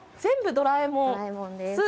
『ドラえもん』です。